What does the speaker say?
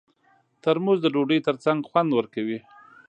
ترموز د ډوډۍ ترڅنګ خوند ورکوي.